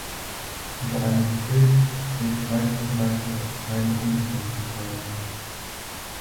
Unter einem Kilt wird traditionellerweise keine Unterwäsche getragen.